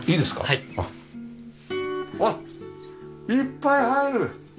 あっいっぱい入る！